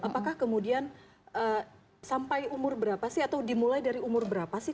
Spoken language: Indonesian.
apakah kemudian sampai umur berapa sih atau dimulai dari umur berapa sih